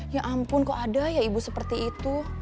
ya ampun kok ada ya ibu seperti itu